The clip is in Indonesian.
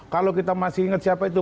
kalau kita masih ingat siapa itu